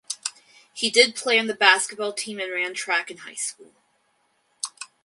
He did play on the basketball team and ran track in high school.